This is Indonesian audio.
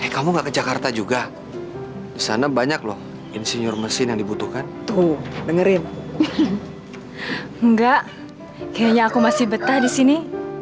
kamu gak ke jakarta juga di sana banyak loh insinyur mesin yang dibutuhkan tuh dengerin enggak kayaknya aku masih betah di sini